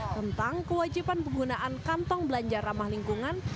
tentang kewajiban penggunaan kantong belanja ramah lingkungan